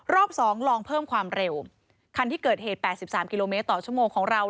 สองลองเพิ่มความเร็วคันที่เกิดเหตุ๘๓กิโลเมตรต่อชั่วโมงของเรา